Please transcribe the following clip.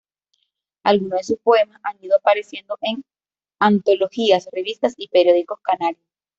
Algunos de sus poemas han ido apareciendo en antologías, revistas y periódicos canarios.